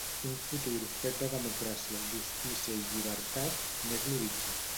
Un futur fet de democràcia, justícia i llibertat, n’és l’horitzó.